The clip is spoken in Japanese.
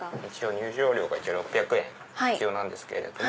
入場料が６００円必要なんですけれども。